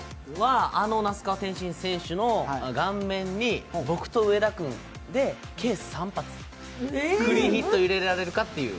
あの那須川天心選手の顔面に僕と上田君で計３発クリーンヒット入れられるかという。